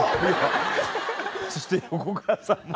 そして横川さんも。